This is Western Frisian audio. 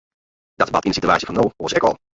Dat bart yn de sitewaasje fan no oars ek al.